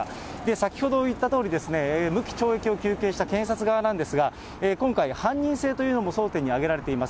先ほど言ったとおり、無期懲役を求刑した検察側なんですが、今回、犯人性というのも争点に挙げられています。